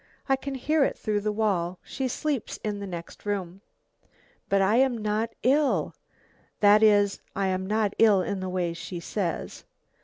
I can hear it through the wall she sleeps in the next room. But I am not ill, that is I am not ill in the way she says.